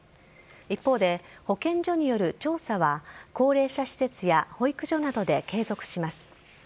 一方で、保健所による調査は、高齢者施設や保育所などで継続します。